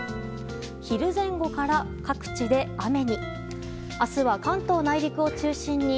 昼前後から各地で雨に。